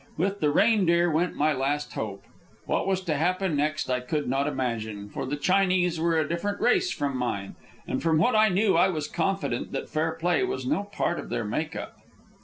With the Reindeer went my last hope. What was to happen next I could not imagine, for the Chinese were a different race from mine, and from what I knew I was confident that fair play was no part of their make up.